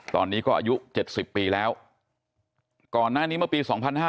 ตอนนี้ก็อายุ๗๐ปีแล้วก่อนหน้านี้เมื่อปี๒๕๕๙